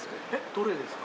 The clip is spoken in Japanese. どれですか？